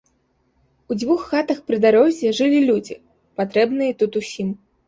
У дзвюх хатах пры дарозе жылі людзі, патрэбныя тут усім.